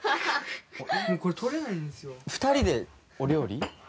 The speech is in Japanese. ２人でお料理？